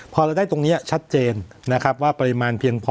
พอเราได้ตรงนี้ชัดเจนนะครับว่าปริมาณเพียงพอ